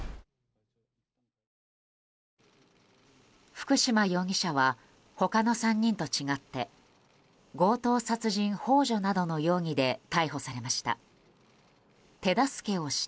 福島容疑者は他の３人と違って強盗殺人幇助などの容疑で逮捕されました。